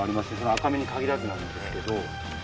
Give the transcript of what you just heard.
アカメに限らずなんですけど。